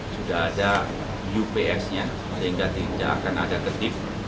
sudah ada ups nya sehingga tidak akan ada ketip